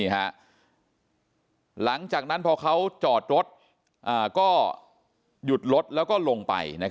หลังจากนั้นพอเขาจอดรถก็หยุดรถแล้วก็ลงไป